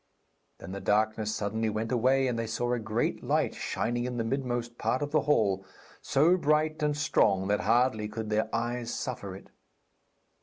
Then the darkness suddenly went away, and they saw a great light shining in the midmost part of the hall, so bright and strong that hardly could their eyes suffer it.